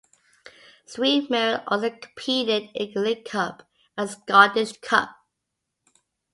St Mirren also competed in the League Cup and the Scottish Cup.